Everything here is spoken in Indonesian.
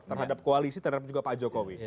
terhadap koalisi terhadap juga pak jokowi